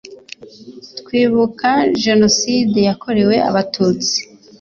Twibuka jenoside yakorewe abatutsi